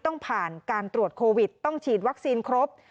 ต้องผ่านการตรวจโควิดต้องฉีดวัคซีนครบ